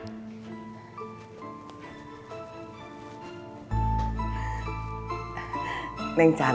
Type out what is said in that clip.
berbicara dengan tampan